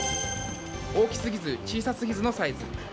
大きすぎず小さすぎずのサイズ。